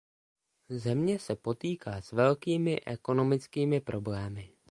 Země se potýká s velkými ekonomickými problémy.